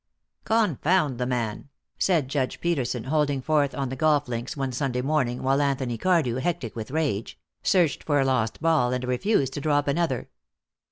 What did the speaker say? "Confound the man," said Judge Peterson, holding forth on the golf links one Sunday morning while Anthony Cardew, hectic with rage, searched for a lost ball and refused to drop another.